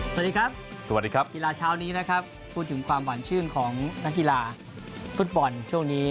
สวัสดีครับสวัสดีครับกีฬาเช้านี้นะครับพูดถึงความหวานชื่นของนักกีฬาฟุตบอลช่วงนี้